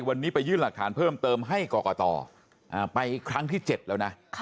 วันนี้ไปยื่นหลักฐานเพิ่มเติมให้กรกตไปครั้งที่๗แล้วนะ